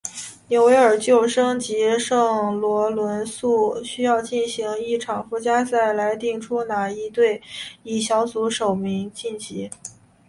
纽维尔旧生及圣罗伦素需要进行一场附加赛来定出哪一队以小组首名晋级。